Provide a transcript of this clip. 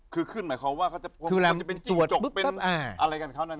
คือขึ้นหมายความว่าเขาจะเป็นจกเป็นอะไรกันเขานั้น